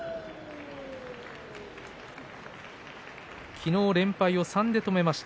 昨日、連敗を３で止めました。